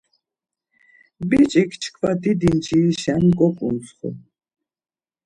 Biç̌ik çkva didi ncirişen goǩuntsxu.